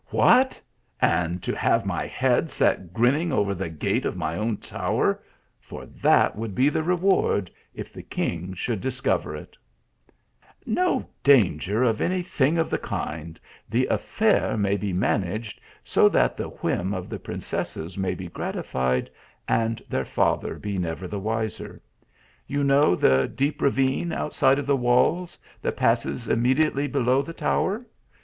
" What, and to have my head set grinning over the gate of my own tower for that would be the rewird, if the king should discover it "" No danger of any thing of the kind ; the affair may be managed so that the whim of the princesses may be gratified, and their father be never the wiser. You know the deep ravine outside of the walls, that passes immediately below the tower.